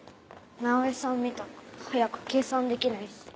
直江さんみたく早く計算できないし。